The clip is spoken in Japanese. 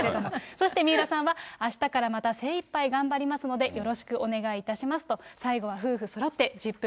そして水卜さんはあしたからまた、精いっぱい頑張りますので、よろしくお願いいたしますと、最後は夫婦そろって、ＺＩＰ！